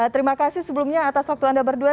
terima kasih sebelumnya atas waktu anda berdua